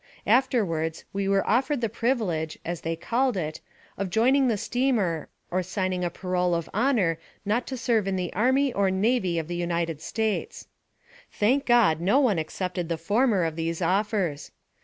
Afterwards we were offered the privilege, as they called it, of joining the steamer or signing a parole of honor not to serve in the army or navy of the United States. Thank God no one accepted the former of these offers.